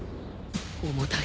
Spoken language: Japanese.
重たい。